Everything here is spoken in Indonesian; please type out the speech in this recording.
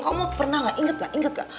kamu pernah gak inget gak